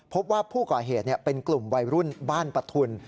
พบว่าผู้ก่อเหตุเป็นกลุ่มวัยรุ่นบ้านปะทุน